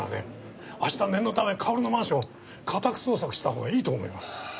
明日念のためかおるのマンションを家宅捜索した方がいいと思います。